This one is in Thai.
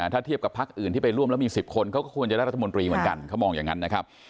ถ้าเทียบกับพักอื่นที่ไปร่วมแล้วมี๑๐คนเขาก็ควรจะได้รัฐมนตรีเหมือนกันเขามองอย่างนั้นนะครับ